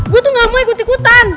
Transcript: gue tuh gak mau ikut ikutan